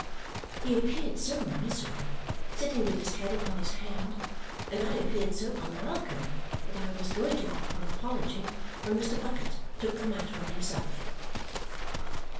He appeared so miserable, sitting with his head upon his hand, and I appeared so unwelcome, that I was going to offer an apology when Mr. Bucket took the matter on himself.